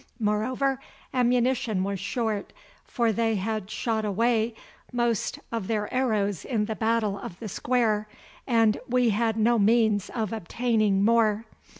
Moreover, ammunition was short, for they had shot away most of their arrows in the battle of the square, and we had no means of obtaining more.